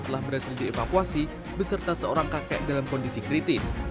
telah berhasil dievakuasi beserta seorang kakek dalam kondisi kritis